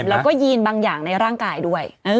แล้วก็ยีนบางอย่างในร่างกายด้วย